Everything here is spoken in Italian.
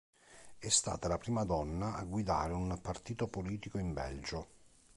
È stata la prima donna a guidare un partito politico in Belgio.